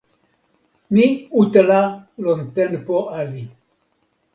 mi utala lon tenpo ali.